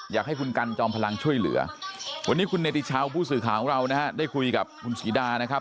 อยากให้คุณกันจอมพลังช่วยเหลือวันนี้คุณเนติชาวผู้สื่อข่าวของเรานะฮะได้คุยกับคุณศรีดานะครับ